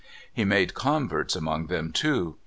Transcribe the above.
He made converts among them, too.